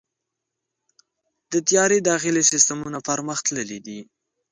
د طیارې داخلي سیستمونه پرمختللي دي.